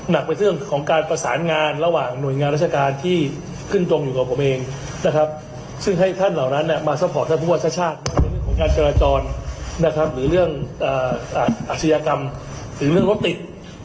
ในเรื่องของงานกรจรนะครับหรือเรื่องอาชียกรรมหรือเรื่องรถติด